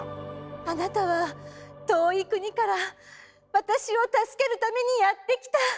あなたは遠い国から私を助けるためにやって来た。